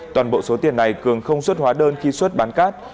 toàn bộ số tiền này cường không xuất hóa đơn khi xuất bán cát